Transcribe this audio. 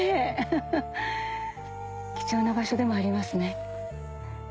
ウフフ貴重な場所でもありますね。